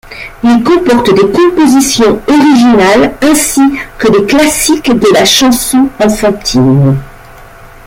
Il comporte des compositions originales ainsi que des classiques de la chanson enfantine.